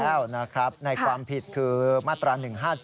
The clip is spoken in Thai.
แล้วนะครับในความผิดคือมาตรา๑๕๗